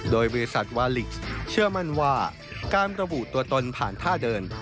โดยบริษัทวาลิกซ์เชื่อมั่นว่าการระบุตัวตนผ่านท่าเดิน